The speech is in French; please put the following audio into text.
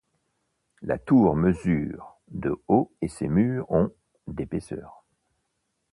La tour mesure de haut et ses murs ont d'épaisseur.